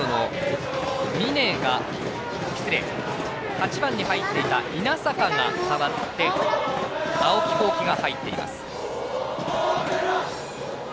８番に入っていた稲坂が代わって青木宏樹が入っています。